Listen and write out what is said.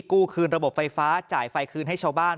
กู้คืนระบบไฟฟ้าจ่ายไฟคืนให้ชาวบ้าน